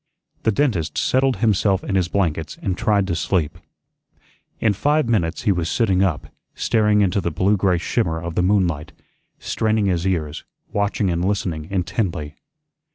The dentist settled himself in his blankets and tried to sleep. In five minutes he was sitting up, staring into the blue gray shimmer of the moonlight, straining his ears, watching and listening intently.